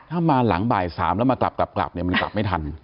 ถ้ามาหลังบ่าย๓แล้วมากลับเนี่ยมันกลับไม่ทัน